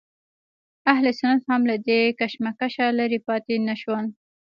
اهل سنت هم له دې کشمکشه لرې پاتې نه شول.